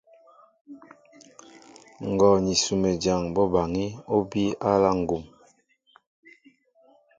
Ngɔ ni Sumedyaŋ bɔ́ baŋí , ó bíy á aláá ŋgum.